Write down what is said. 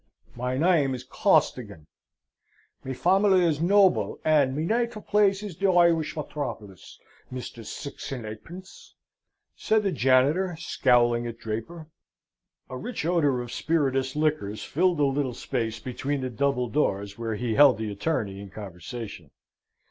"My name is Costigan; me familee is noble, and me neetive place is the Irish methrawpolis, Mr. Six and eightpence!" said the janitor, scowling at Draper. A rich odour of spirituous liquors filled the little space between the double doors where he held the attorney in conversation.